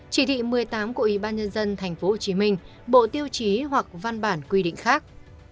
chỉ thị một mươi tám của ủy ban nhân dân tp hcm bộ tiêu chí hoặc văn bản quy định khác